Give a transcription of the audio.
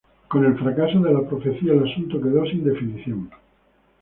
Con el fracaso de la profecía el asunto quedó sin definición.